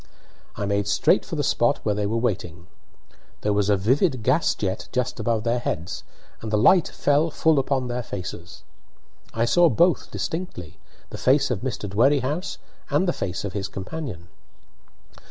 I made straight for the spot where they were waiting. There was a vivid gas jet just above their heads, and the light fell full upon their faces. I saw both distinctly the face of Mr. Dwerrihouse and the face of his companion.